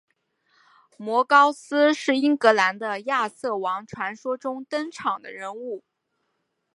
摩高斯是英格兰的亚瑟王传说中登场的人物。